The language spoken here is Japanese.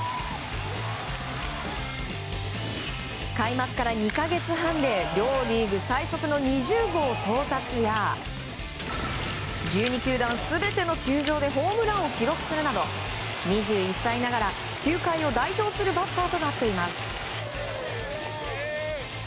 開幕から２か月半で両リーグ最速の２０号到達や１２球団全ての球場でホームランを記録するなど２１歳ながら、球界を代表するバッターとなっています。